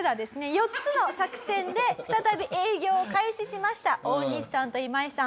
４つの作戦で再び営業を開始しましたオオニシさんとイマイさん。